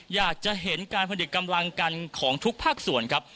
อยากจะเห็นการผลิตกำลังกันของทุกภาคส่วนครับ